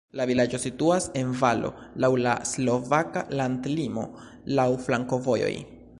La vilaĝo situas en valo, laŭ la slovaka landlimo, laŭ flankovojoj.